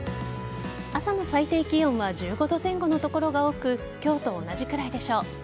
朝の最低気温は１５度前後の所が多く今日と同じくらいでしょう。